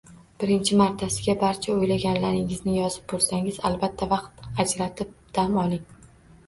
Birinchi martasiga barcha o’ylaganlaringizni yozib bo’lsangiz, albatta vaqt ajratib dam oling